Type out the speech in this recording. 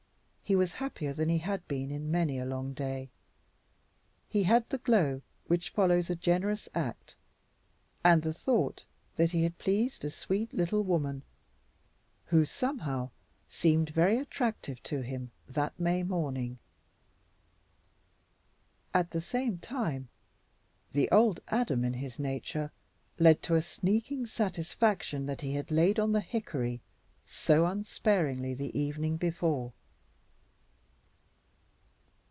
He was happier than he had been in many a long day. He had the glow which follows a generous act, and the thought that he had pleased a sweet little woman who somehow seemed very attractive to him that May morning; at the same time the old Adam in his nature led to a sneaking satisfaction that he had laid on the hickory so unsparingly the evening before.